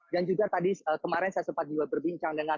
dan juga tadi kemarin saya sempat juga berbincang dengan